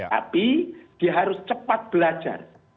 tapi dia harus cepat belajar